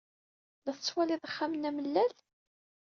La tettwalid axxam-nni amellal?